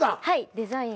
デザインが。